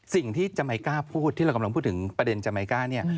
สิ่งที่จะไม่กล้าพูดที่เรากำลังพูดถึงประเด็นจะไม่กล้าเนี่ย